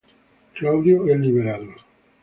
Claudio es liberado.